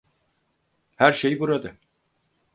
Her şey burada.